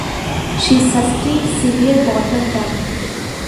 She sustained severe bottom damage.